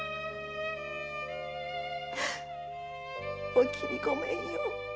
おきみごめんよ。